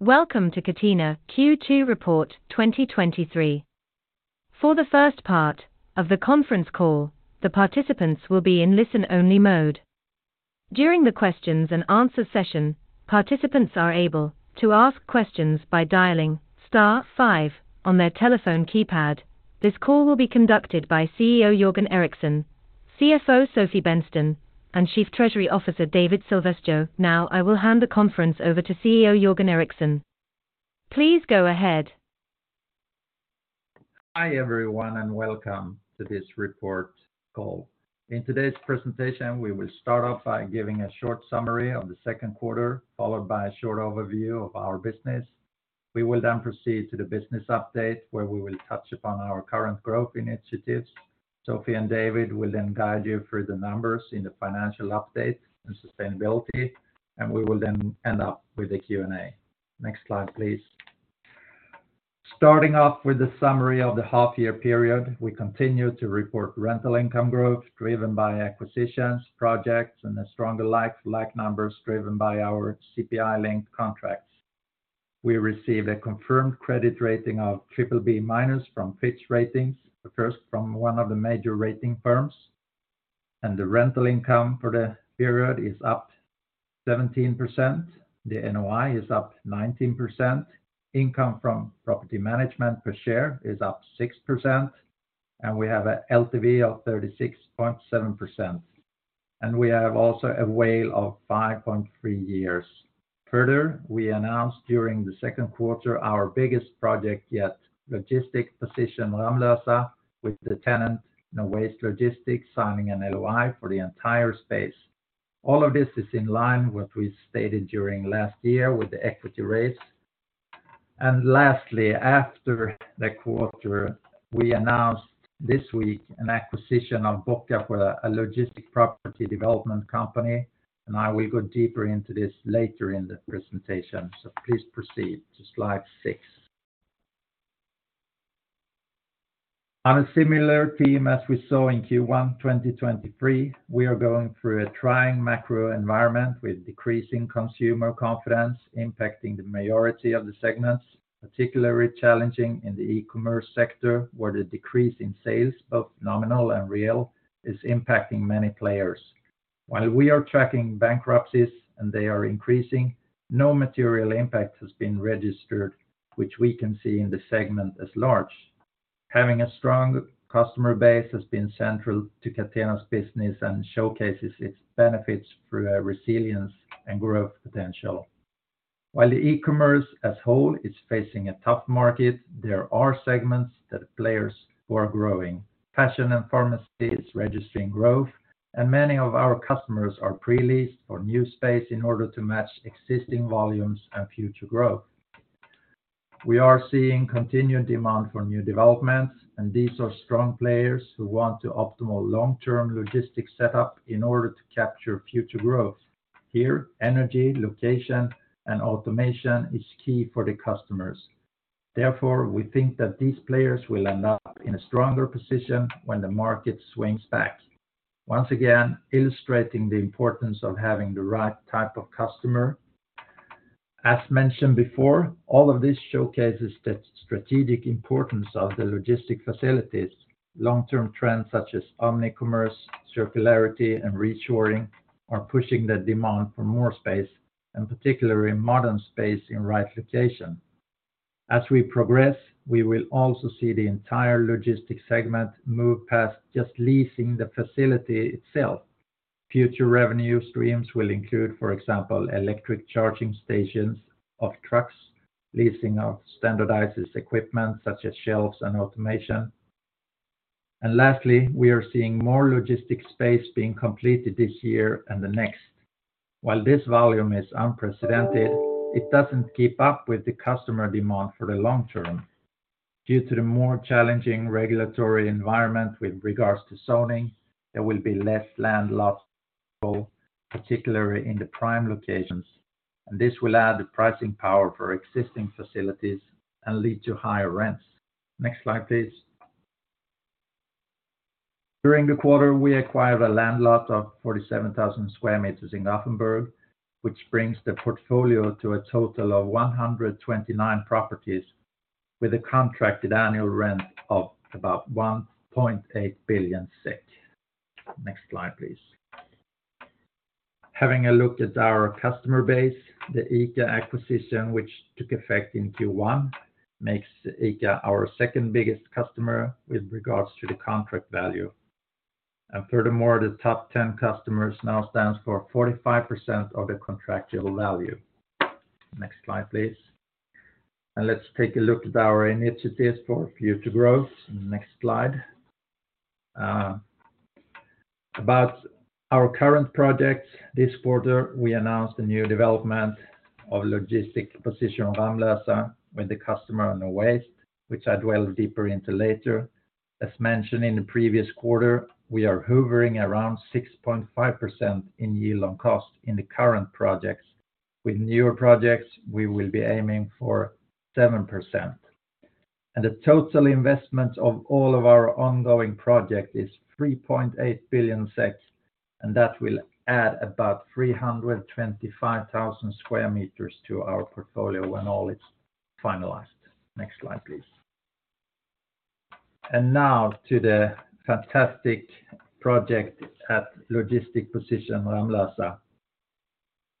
Welcome to Catena Q2 report 2023. For the first part of the conference call, the participants will be in listen-only mode. During the questions and answer session, participants are able to ask questions by dialing star five on their telephone keypad. This call will be conducted by CEO Jörgen Eriksson, CFO Sofie Bennsten, and Chief Treasury Officer David Silvesjö. I will hand the conference over to CEO Jörgen Eriksson. Please go ahead. Hi, everyone, and welcome to this report call. In today's presentation, we will start off by giving a short summary of the second quarter, followed by a short overview of our business. We will then proceed to the business update, where we will touch upon our current growth initiatives. Sofie and David will then guide you through the numbers in the financial update and sustainability. We will then end up with the Q&A. Next slide, please. Starting off with the summary of the half year period, we continue to report rental income growth driven by acquisitions, projects, and a stronger like-for-like numbers driven by our CPI-linked contracts. We received a confirmed credit rating of BBB- from Fitch Ratings, the first from one of the major rating firms. The rental income for the period is up 17%, the NOI is up 19%. Income from property management per share is up 6%. We have a LTV of 36.7%. We have also a WALE of 5.3 years. Further, we announced during the second quarter, our biggest project yet, logistic position Ramlösa, with the tenant, Nowaste Logistics, signing an LOI for the entire space. All of this is in line with what we stated during last year with the equity raise. Lastly, after the quarter, we announced this week an acquisition of Bockasjö, for a logistic property development company, and I will go deeper into this later in the presentation. Please proceed to slide 6. On a similar theme, as we saw in Q1 2023, we are going through a trying macro environment with decreasing consumer confidence impacting the majority of the segments, particularly challenging in the e-commerce sector, where the decrease in sales, both nominal and real, is impacting many players. While we are tracking bankruptcies and they are increasing, no material impact has been registered, which we can see in the segment as large. Having a strong customer base has been central to Catena's business and showcases its benefits through a resilience and growth potential. While the e-commerce as whole is facing a tough market, there are segments that players who are growing. Fashion and pharmacy is registering growth, and many of our customers are pre-leased for new space in order to match existing volumes and future growth. We are seeing continued demand for new developments, and these are strong players who want to optimal long-term logistics setup in order to capture future growth. Here, energy, location, and automation is key for the customers. Therefore, we think that these players will end up in a stronger position when the market swings back. Once again, illustrating the importance of having the right type of customer. As mentioned before, all of this showcases the strategic importance of the logistic facilities. Long-term trends such as omni-commerce, circularity, and reshoring are pushing the demand for more space, and particularly in modern space in right location. As we progress, we will also see the entire logistics segment move past just leasing the facility itself. Future revenue streams will include, for example, electric charging stations of trucks, leasing of standardizes equipment such as shelves and automation. Lastly, we are seeing more logistic space being completed this year and the next. While this volume is unprecedented, it doesn't keep up with the customer demand for the long term. Due to the more challenging regulatory environment with regards to zoning, there will be less land lost, particularly in the prime locations, and this will add the pricing power for existing facilities and lead to higher rents. Next slide, please. During the quarter, we acquired a land lot of 47,000 square meters in Gothenburg, which brings the portfolio to a total of 129 properties, with a contracted annual rent of about 1.8 billion SEK. Next slide, please. Having a look at our customer base, the ICA acquisition, which took effect in Q1, makes ICA our second biggest customer with regards to the contract value. The top ten customers now stands for 45% of the contractual value. Next slide, please. Let's take a look at our initiatives for future growth. Next slide. About our current projects this quarter, we announced a new development of logistic position Ramlösa, with the customer Nowaste, which I dwell deeper into later. As mentioned in the previous quarter, we are hovering around 6.5% in yield on cost in the current projects. With newer projects, we will be aiming for 7%.... The total investment of all of our ongoing project is 3.8 billion SEK, and that will add about 325,000 square meters to our portfolio when all is finalized. Next slide, please. Now to the fantastic project at logistic position Ramlösa.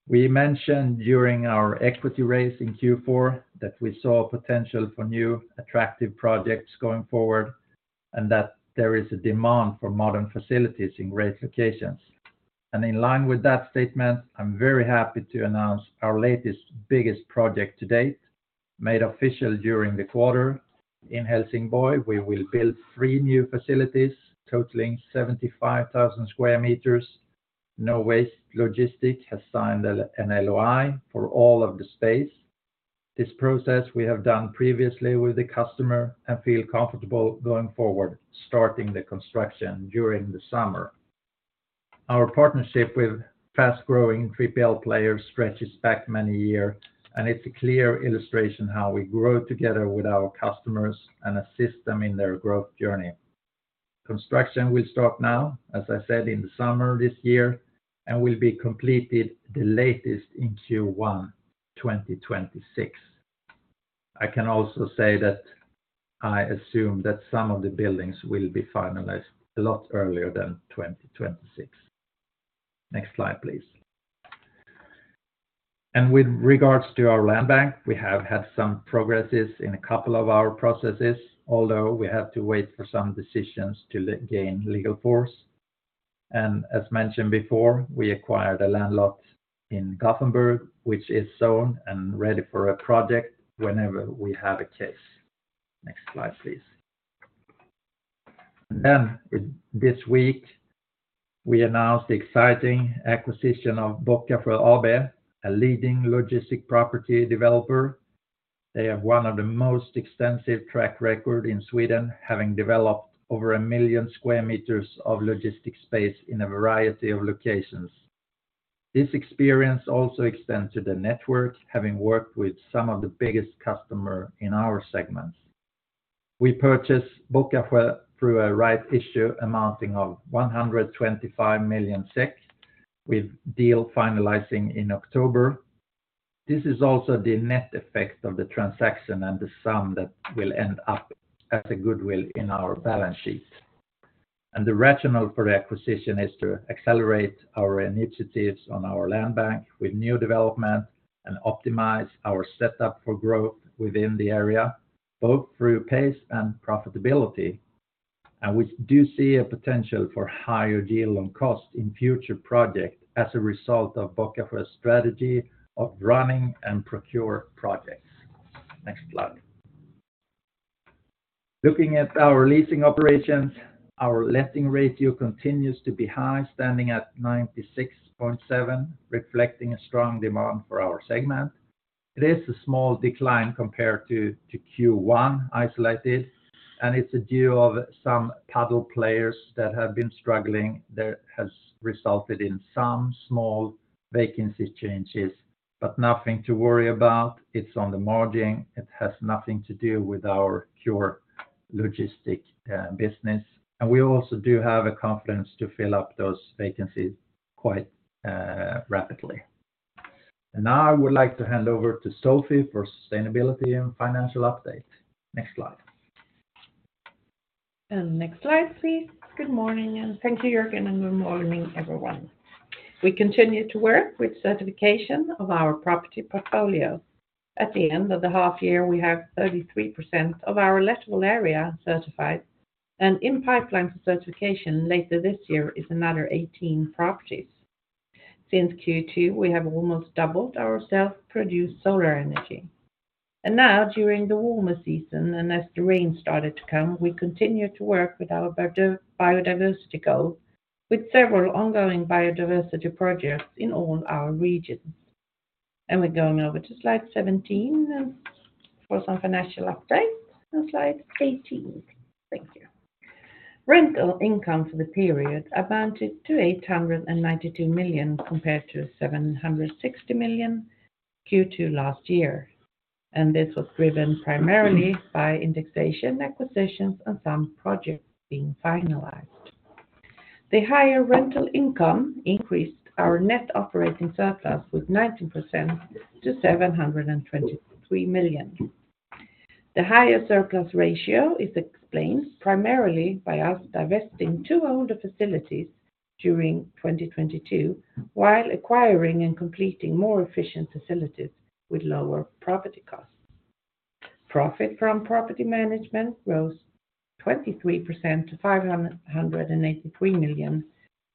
We mentioned during our equity raise in Q4, that we saw potential for new attractive projects going forward, that there is a demand for modern facilities in great locations. In line with that statement, I'm very happy to announce our latest, biggest project to date, made official during the quarter. In Helsingborg, we will build three new facilities totaling 75,000 square meters. Nowaste Logistics has signed an LOI for all of the space. This process we have done previously with the customer and feel comfortable going forward, starting the construction during the summer. Our partnership with fast-growing 3PL players stretches back many years, and it's a clear illustration how we grow together with our customers and assist them in their growth journey. Construction will start now, as I said, in the summer this year, and will be completed the latest in Q1, 2026. I can also say that I assume that some of the buildings will be finalized a lot earlier than 2026. Next slide, please. With regards to our land bank, we have had some progresses in a couple of our processes, although we have to wait for some decisions to gain legal force. As mentioned before, we acquired a land lot in Gothenburg, which is sold and ready for a project whenever we have a case. Next slide, please. This week, we announced the exciting acquisition of Bockasjö AB, a leading logistic property developer. They have 1 of the most extensive track record in Sweden, having developed over 1 million sq m of logistic space in a variety of locations. This experience also extends to the network, having worked with some of the biggest customer in our segments. We purchase Bockasjö through a right issue amounting of 125 million SEK, with deal finalizing in October. This is also the net effect of the transaction and the sum that will end up as a goodwill in our balance sheet. The rationale for the acquisition is to accelerate our initiatives on our land bank with new development and optimize our setup for growth within the area, both through pace and profitability. We do see a potential for higher yield on cost in future projects as a result of Bockasjö's strategy of running and procure projects. Next slide. Looking at our leasing operations, our letting ratio continues to be high, standing at 96.7, reflecting a strong demand for our segment. It is a small decline compared to Q1, isolated. It's a due of some paddle players that have been struggling, that has resulted in some small vacancy changes, but nothing to worry about. It's on the margin. It has nothing to do with our pure logistics business. We also do have a confidence to fill up those vacancies quite rapidly. Now I would like to hand over to Sofie for sustainability and financial update. Next slide. Next slide, please. Good morning, thank you, Jörgen, and good morning, everyone. We continue to work with certification of our property portfolio. At the end of the half year, we have 33% of our lettable area certified, and in pipeline for certification later this year is another 18 properties. Since Q2, we have almost doubled our self-produced solar energy. Now, during the warmer season, as the rain started to come, we continue to work with our better biodiversity goal, with several ongoing biodiversity projects in all our regions. We're going over to slide 17 for some financial updates. Slide 18. Thank you. Rental income for the period amounted to 892 million, compared to 760 million Q2 last year. This was driven primarily by indexation, acquisitions, and some projects being finalized. The higher rental income increased our net operating surplus with 19% to 723 million. The higher surplus ratio is explained primarily by us divesting 2 older facilities during 2022, while acquiring and completing more efficient facilities with lower property costs. Profit from property management rose 23% to 583 million,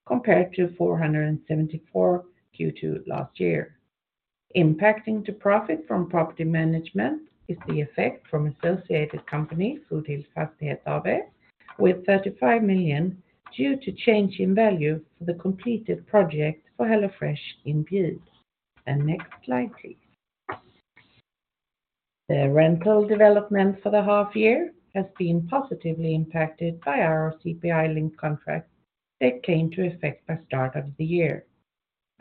compared to 474 Q2 last year. Impacting to profit from property management is the effect from associated company, Foodhills Fastighet AB, with 35 million, due to change in value for the completed project for HelloFresh in Bjuv. Next slide, please. The rental development for the half year has been positively impacted by our CPI link contract that came to effect by start of the year.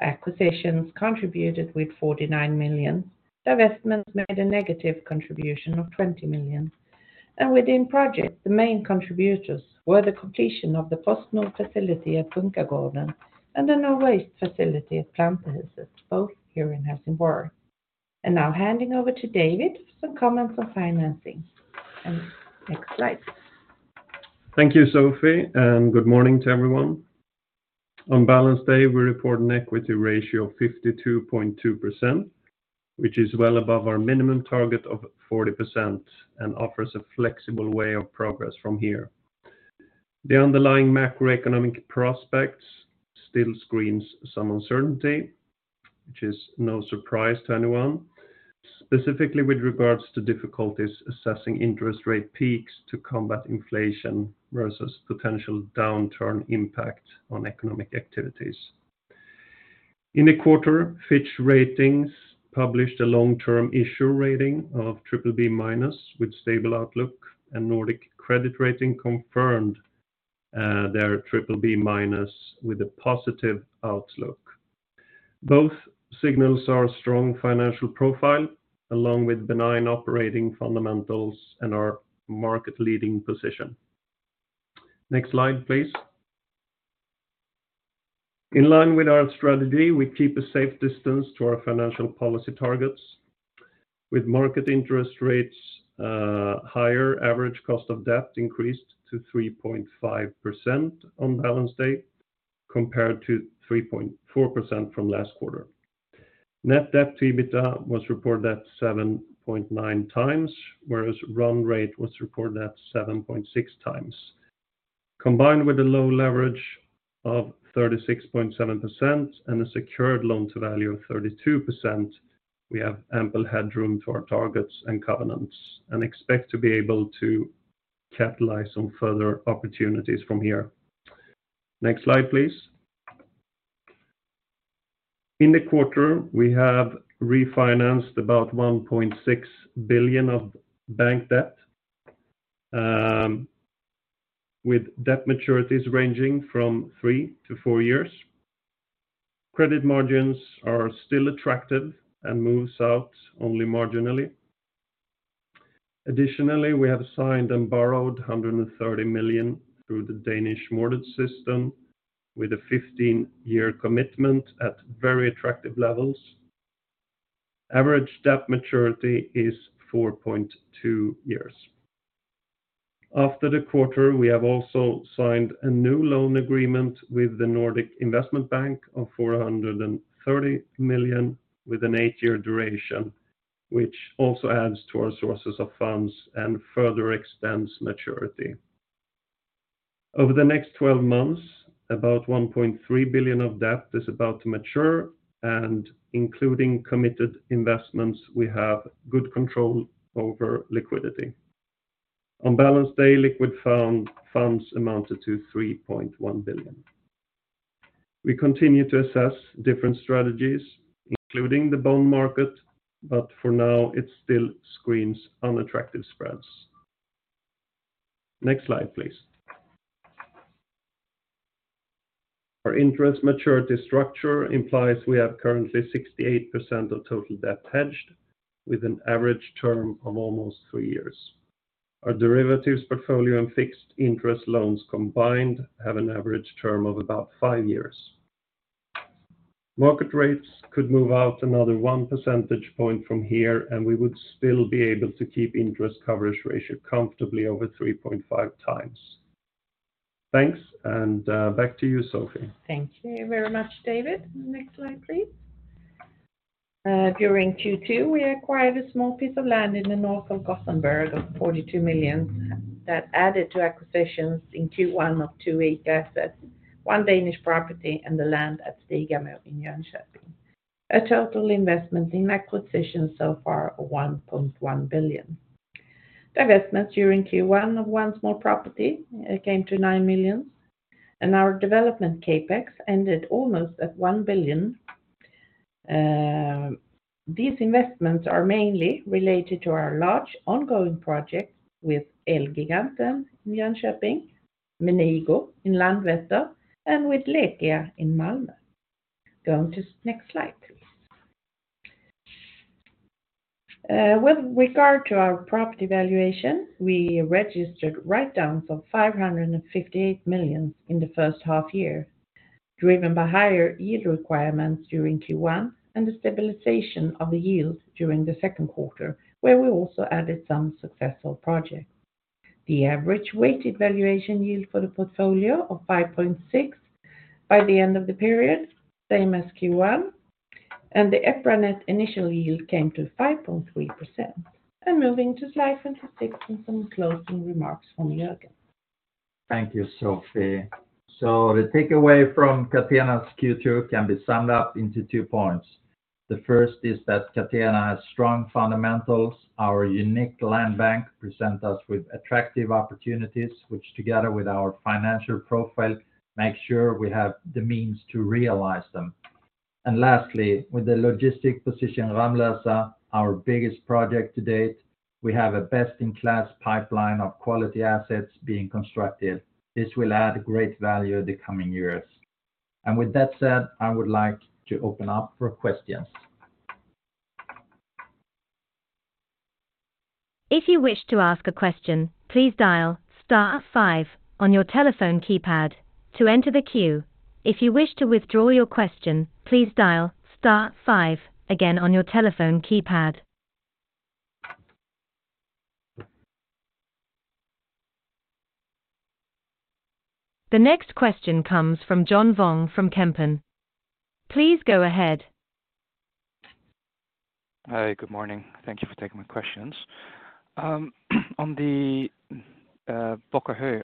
Acquisitions contributed with 49 million, divestments made a negative contribution of 20 million, and within projects, the main contributors were the completion of the PostNord facility at Bunkagården, and the Nowaste Logistics facility at Planterhuset, both here in Helsingborg. Now handing over to David, some comments on financing. Next slide. Thank you, Sofie, and good morning to everyone. On balance day, we report an equity ratio of 52.2%, which is well above our minimum target of 40% and offers a flexible way of progress from here. The underlying macroeconomic prospects still screens some uncertainty, which is no surprise to anyone, specifically with regards to difficulties assessing interest rate peaks to combat inflation versus potential downturn impact on economic activities. In the quarter, Fitch Ratings published a long-term issue rating of BBB- with stable outlook, and Nordic Credit Rating confirmed their BBB- with a positive outlook. Both signals are a strong financial profile, along with benign operating fundamentals and our market-leading position. Next slide, please. In line with our strategy, we keep a safe distance to our financial policy targets. With market interest rates, higher average cost of debt increased to 3.5% on balance date, compared to 3.4% from last quarter. Net debt to EBITDA was reported at 7.9 times, whereas run rate was reported at 7.6 times. Combined with a low leverage of 36.7% and a secured loan to value of 32%, we have ample headroom to our targets and covenants, and expect to be able to capitalize on further opportunities from here. Next slide, please. In the quarter, we have refinanced about 1.6 billion of bank debt, with debt maturities ranging from 3-4 years. Credit margins are still attractive and moves out only marginally. We have signed and borrowed 130 million through the Danish mortgage system with a 15-year commitment at very attractive levels. Average debt maturity is 4.2 years. After the quarter, we have also signed a new loan agreement with the Nordic Investment Bank of 430 million with an 8-year duration, which also adds to our sources of funds and further extends maturity. Over the next 12 months, about 1.3 billion of debt is about to mature, including committed investments, we have good control over liquidity. On balance day, liquid funds amounted to 3.1 billion. We continue to assess different strategies, including the bond market, for now, it still screens unattractive spreads. Next slide, please. Our interest maturity structure implies we have currently 68% of total debt hedged, with an average term of almost 3 years. Our derivatives portfolio and fixed interest loans combined have an average term of about 5 years. Market rates could move out another 1 percentage point from here. We would still be able to keep interest coverage ratio comfortably over 3.5 times. Thanks, and back to you, Sofie. Thank you very much, David Silvesjö. Next slide, please. During Q2, we acquired a small piece of land in the north of Gothenburg of 42 million that added to acquisitions in Q1 of 28 assets, 1 Danish property, and the land at Stigamo in Jönköping. A total investment in acquisition so far, 1.1 billion. Divestments during Q1 of 1 small property, it came to 9 million, and our development CapEx ended almost at 1 billion. These investments are mainly related to our large ongoing project with Elgiganten in Jönköping, with NEGO in Landvetter, and with Lekia in Malmö. Going to the next slide, please. With regard to our property valuation, we registered write-downs of 558 million in the first half year, driven by higher yield requirements during Q1 and the stabilization of the yield during the second quarter, where we also added some successful projects. The average weighted valuation yield for the portfolio of 5.6 by the end of the period, same as Q1, the EPRA net initial yield came to 5.3%. Moving to slide 26 and some closing remarks from Jörgen. Thank you, Sofie. The takeaway from Catena's Q2 can be summed up into two points. The first is that Catena has strong fundamentals. Our unique land bank present us with attractive opportunities, which together with our financial profile, make sure we have the means to realize them. Lastly, with the logistic position Ramlösa, our biggest project to date- We have a best-in-class pipeline of quality assets being constructed. This will add great value in the coming years. With that said, I would like to open up for questions. If you wish to ask a question, please dial star five on your telephone keypad to enter the queue. If you wish to withdraw your question, please dial star five again on your telephone keypad. The next question comes from John Vong from Kempen. Please go ahead. Hi, good morning. Thank you for taking my questions. On the Bockasjö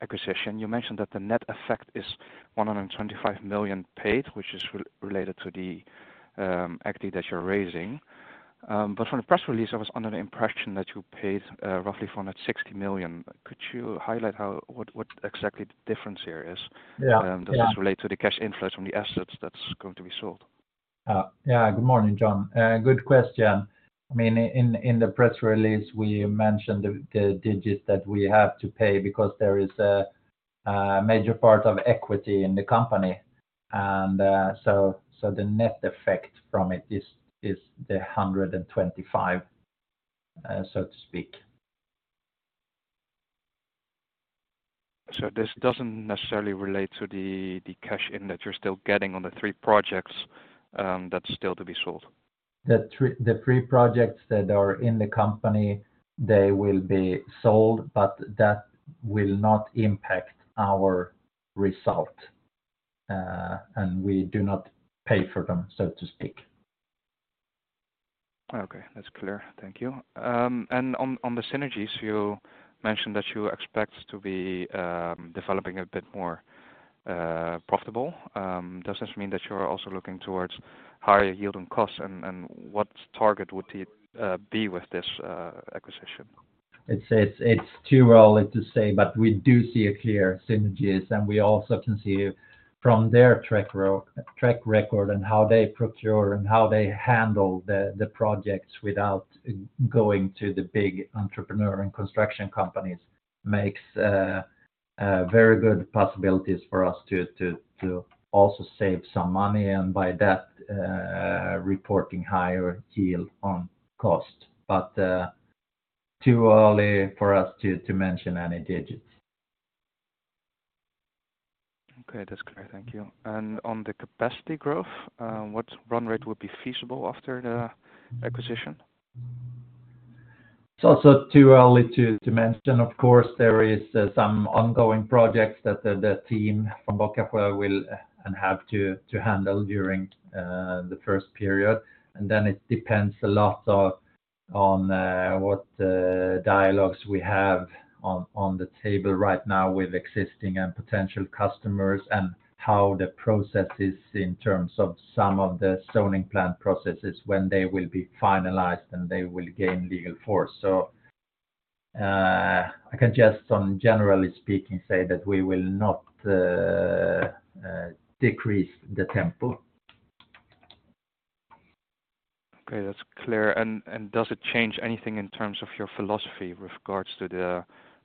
acquisition, you mentioned that the net effect is 125 million paid, which is related to the equity that you're raising. From the press release, I was under the impression that you paid roughly 160 million. Could you highlight how, what exactly the difference here is? Yeah. Does this relate to the cash inflows from the assets that's going to be sold? Yeah. Good morning, John. Good question. I mean, in the press release, we mentioned the digits that we have to pay because there is a major part of equity in the company. The net effect from it is the 125, so to speak. This doesn't necessarily relate to the cash in that you're still getting on the 3 projects, that's still to be sold? The three projects that are in the company, they will be sold, but that will not impact our result, and we do not pay for them, so to speak. Okay, that's clear. Thank you. On the synergies, you mentioned that you expect to be developing a bit more profitable. Does this mean that you are also looking towards higher yield on cost? What target would it be with this acquisition? It's too early to say, but we do see a clear synergies, and we also can see from their track record and how they procure and how they handle the projects without going to the big entrepreneur and construction companies, makes a very good possibilities for us to also save some money, and by that, reporting higher yield on cost. Too early for us to mention any digits. Okay, that's clear. Thank you. On the capacity growth, what run rate would be feasible after the acquisition? It's also too early to mention. Of course, there is some ongoing projects that the team from Bockasjö will and have to handle during the first period. Then it depends a lot on what dialogues we have on the table right now with existing and potential customers, and how the process is in terms of some of the zoning plan processes when they will be finalized, and they will gain legal force. I can just on generally speaking, say that we will not decrease the tempo. Okay, that's clear. Does it change anything in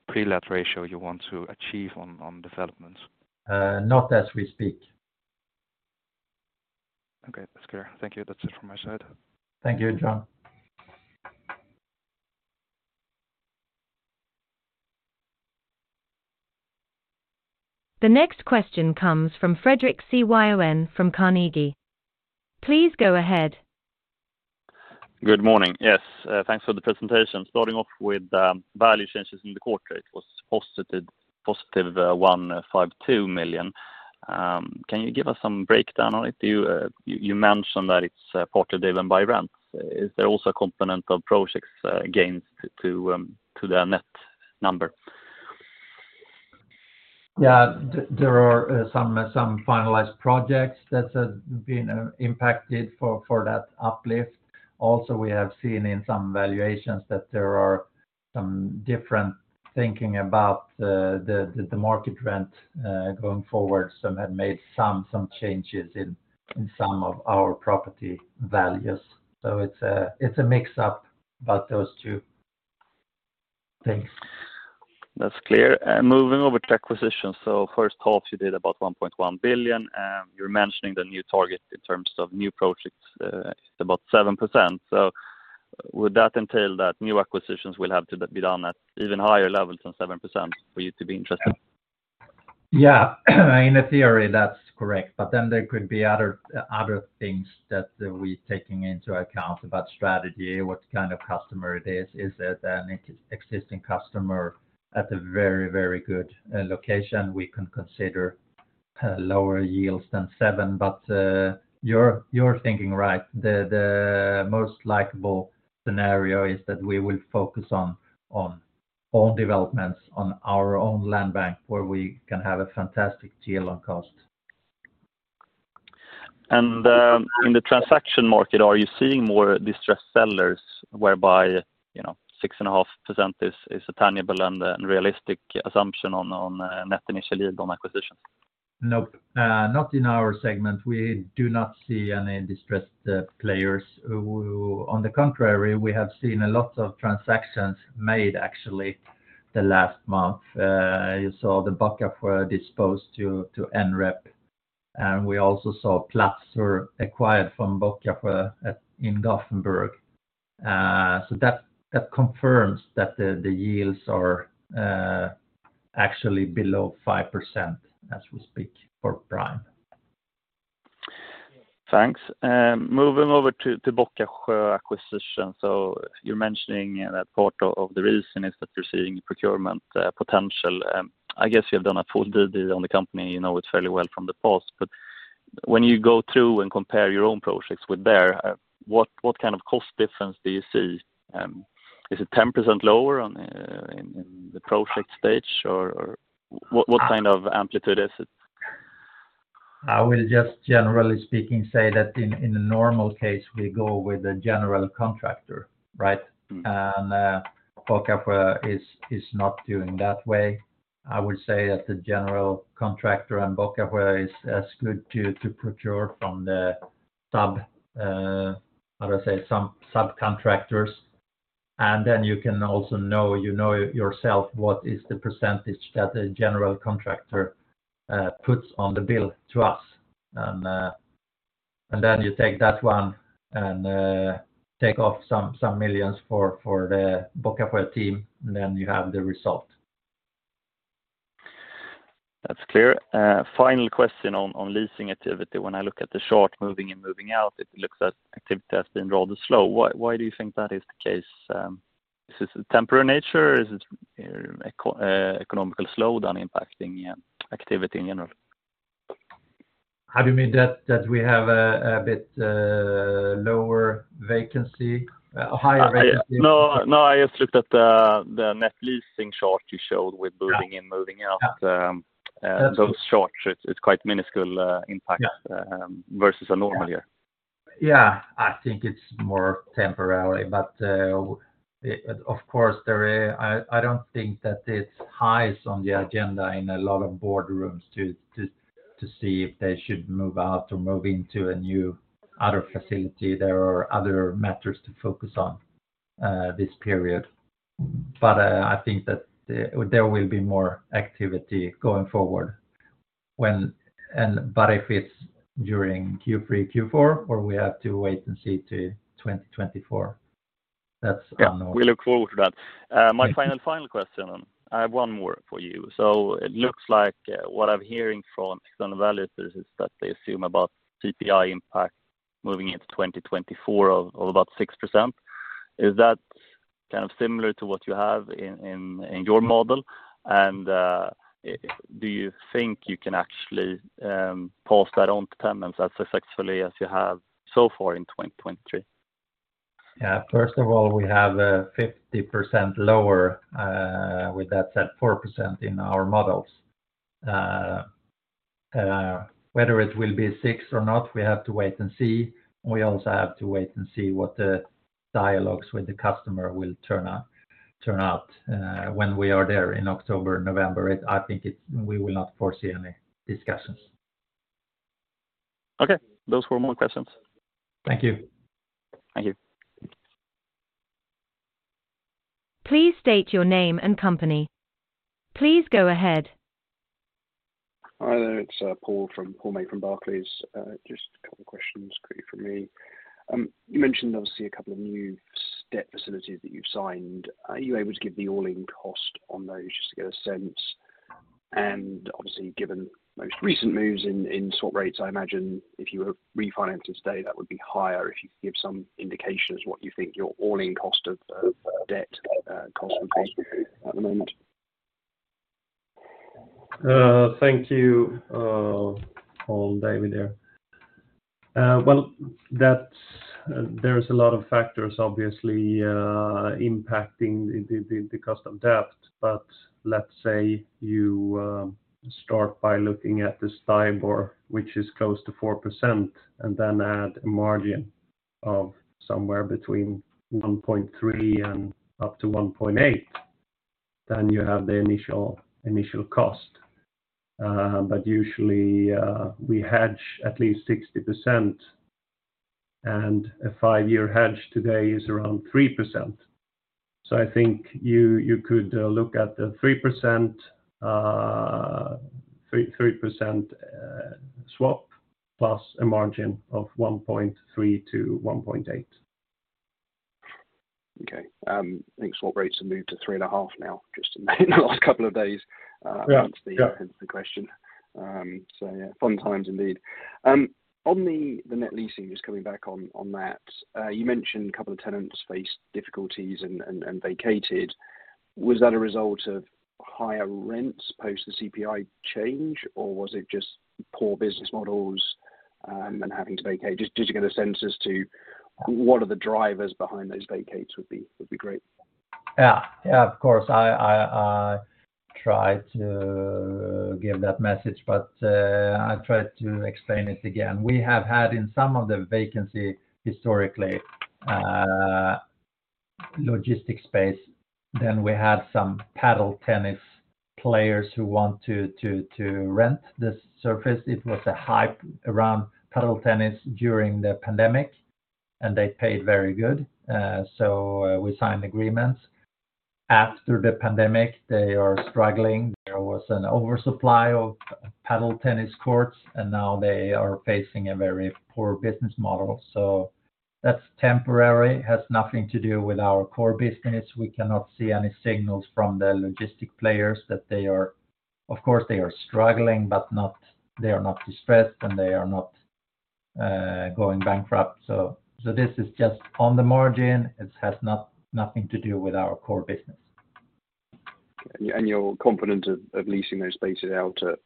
terms of your philosophy with regards to the pre-let ratio you want to achieve on developments? Not as we speak. Okay, that's clear. Thank you. That's it from my side. Thank you, John. The next question comes from Fredrik Cyon from Carnegie. Please go ahead. Good morning. Yes, thanks for the presentation. Starting off with value changes in the quarter, it was positive 152 million. Can you give us some breakdown on it? You mentioned that it's partly driven by rent. Is there also a component of projects gains to the net number? Yeah, there are some finalized projects that have been impacted for that uplift. We have seen in some valuations that there are some different thinking about the market rent going forward, some have made some changes in some of our property values. It's a mix-up about those two things. That's clear. Moving over to acquisitions. First half, you did about 1.1 billion, and you're mentioning the new target in terms of new projects, about 7%. Would that entail that new acquisitions will have to be done at even higher levels than 7% for you to be interested? In a theory, that's correct. There could be other things that we're taking into account about strategy, what kind of customer it is. Is it an existing customer at a very good location? We can consider lower yields than 7%. You're thinking right. The most likable scenario is that we will focus on own developments, on our own land bank, where we can have a fantastic deal on cost. In the transaction market, are you seeing more distressed sellers whereby, you know, 6.5% is a tangible and a realistic assumption on net initial yield on acquisitions?... Nope, not in our segment. We do not see any distressed players. On the contrary, we have seen a lot of transactions made actually the last month. You saw the Bockasjö disposed to NREP, and we also saw Platzer acquired from Bockasjö in Gothenburg. That confirms that the yields are actually below 5% as we speak for prime. Thanks. moving over to Bockasjö acquisition. You're mentioning that part of the reason is that you're seeing procurement potential. I guess you have done a full DD on the company, you know it fairly well from the past, but when you go through and compare your own projects with their, what kind of cost difference do you see? Is it 10% lower on, in the project stage, or what kind of amplitude is it? I will just, generally speaking, say that in a normal case, we go with a general contractor, right? Mm-hmm. Bocka is not doing that way. I would say that the general contractor and Bocka is as good to procure from the subcontractors. You can also know, you know yourself, what is the percentage that the general contractor puts on the bill to us. Then you take that one and take off some millions for the Bocka team, and then you have the result. That's clear. Final question on leasing activity. When I look at the short moving in, moving out, it looks as activity has been rather slow. Why do you think that is the case? Is it a temporary nature? Is it economical slowdown impacting, yeah, activity in general? How do you mean that we have a bit lower vacancy, higher vacancy? No, no, I just looked at the net leasing chart you showed with moving in, moving out. Yeah. those charts, it's quite minuscule. Yeah... versus a normal year. Yeah, I think it's more temporarily, but, of course, there is. I don't think that it's highest on the agenda in a lot of boardrooms to see if they should move out or move into a new other facility. There are other matters to focus on this period. I think that there will be more activity going forward and, but if it's during Q3, Q4, or we have to wait and see to 2024, that's unknown. Yeah, we look forward to that. Thank you. My final question, I have one more for you. It looks like, what I'm hearing from external values is that they assume about CPI impact moving into 2024 of about 6%. Is that kind of similar to what you have in your model? Do you think you can actually pass that on to tenants as successfully as you have so far in 2023? Yeah. First of all, we have a 50% lower, with that said, 4% in our models. Whether it will be 6 or not, we have to wait and see. We also have to wait and see what the dialogues with the customer will turn out when we are there in October, November. I think we will not foresee any discussions. Okay, those were more questions. Thank you. Thank you. Please state your name and company. Please go ahead. Hi there, it's Paul May from Barclays. Just a couple of questions quickly from me. You mentioned, obviously, a couple of new step facilities that you've signed. Are you able to give the all-in cost on those just to get a sense? Obviously, given most recent moves in sort rates, I imagine if you were refinancing today, that would be higher. If you could give some indication as what you think your all-in cost of debt cost at the moment. Thank you, Paul David there. Well, there's a lot of factors, obviously, impacting the cost of debt. Let's say you start by looking at this time, or which is close to 4%, and then add a margin of somewhere between 1.3 and up to 1.8, then you have the initial cost. But usually, we hedge at least 60%, and a 5-year hedge today is around 3%. I think you could look at the 3% swap, plus a margin of 1.3-1.8. Okay. I think swap rates have moved to 3.5% now, just in the last couple of days. Yeah ... to answer the question. Yeah, fun times indeed. On the net leasing, just coming back on that, you mentioned a couple of tenants faced difficulties and vacated. Was that a result of higher rents post the CPI change, or was it just poor business models and having to vacate? Just to get a sense as to what are the drivers behind those vacates would be great. Of course, I tried to give that message, but I tried to explain it again. We have had in some of the vacancy historically, logistics space. We had some paddle tennis players who want to rent this surface. It was a hype around paddle tennis during the pandemic. They paid very good. We signed agreements. After the pandemic, they are struggling. There was an oversupply of paddle tennis courts. Now they are facing a very poor business model. That's temporary, has nothing to do with our core business. We cannot see any signals from the logistics players. Of course, they are struggling, but not, they are not distressed, and they are not going bankrupt. This is just on the margin. Nothing to do with our core business. You're confident of leasing those spaces out at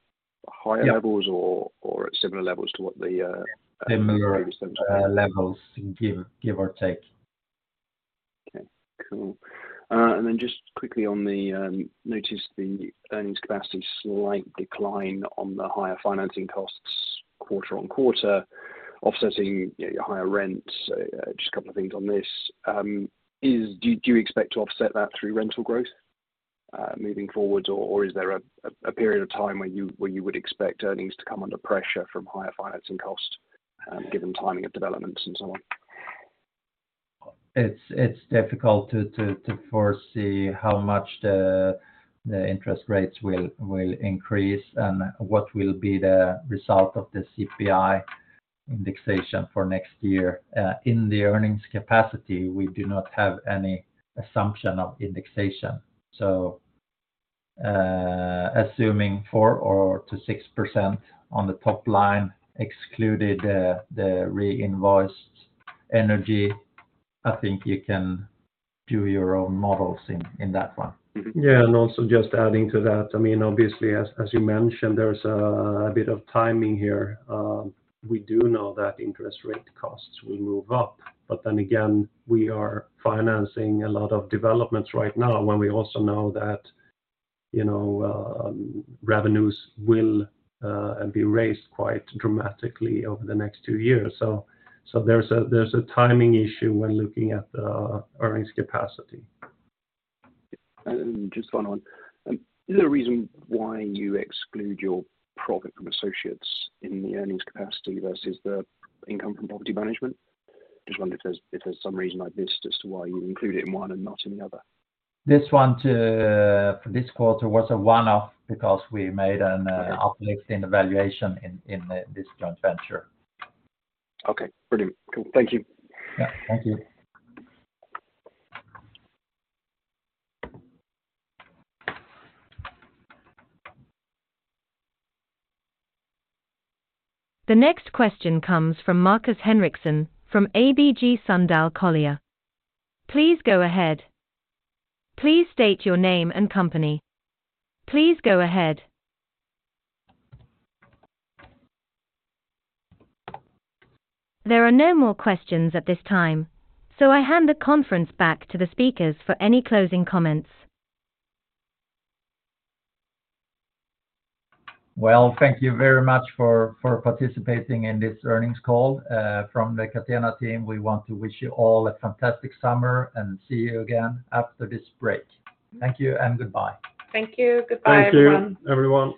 higher levels? Yeah. At similar levels to what the. Similar, levels, give or take. Okay, cool. Then just quickly on the, notice the earnings capacity, slight decline on the higher financing costs quarter-on-quarter, offsetting your higher rent. Just a couple of things on this. Do you expect to offset that through rental growth, moving forward, or is there a period of time where you would expect earnings to come under pressure from higher financing costs, given timing of developments and so on? It's difficult to foresee how much the interest rates will increase and what will be the result of the CPI indexation for next year. In the earnings capacity, we do not have any assumption of indexation. Assuming 4% or 6% on the top line, excluded the re-invoiced energy, I think you can do your own models in that one. Yeah, just adding to that, I mean, obviously, as you mentioned, there's a bit of timing here. We do know that interest rate costs will move up. We are financing a lot of developments right now, when we also know that, you know, revenues will be raised quite dramatically over the next 2 years. There's a timing issue when looking at the earnings capacity. Just one on, is there a reason why you exclude your profit from associates in the earnings capacity versus the income from property management? Just wondering if there's some reason like this as to why you include it in one and not in the other. This one to, for this quarter was a one-off because we made an uplift in the valuation in this joint venture. Okay, pretty. Cool. Thank you. Yeah, thank you. The next question comes from Markus Henriksson, from ABG Sundal Collier. Please go ahead. Please state your name and company. Please go ahead. There are no more questions at this time. I hand the conference back to the speakers for any closing comments. Well, thank you very much for participating in this earnings call. From the Catena team, we want to wish you all a fantastic summer, see you again after this break. Thank you, goodbye. Thank you. Goodbye, everyone. Thank you, everyone.